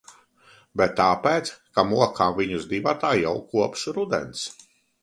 Bet tāpēc, ka mokām viņus divatā jau kopš rudens.